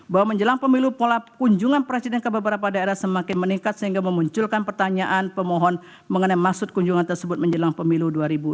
bahwa menjelang pemilu pola kunjungan presiden ke beberapa daerah semakin meningkat sehingga memunculkan pertanyaan pemohon mengenai maksud kunjungan tersebut menjelang pemilu dua ribu dua puluh